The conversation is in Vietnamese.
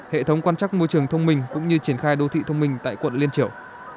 hệ thống quan trắc môi trường thông minh cũng như triển khai đô thị thông minh tại quận liên triều